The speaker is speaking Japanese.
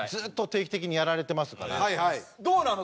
どうなの？